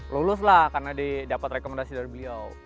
lulus lah karena didapat rekomendasi dari beliau